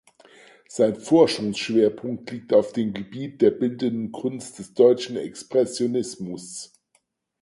Sein Forschungsschwerpunkt liegt auf dem Gebiet der bildenden Kunst des deutschen Expressionismus.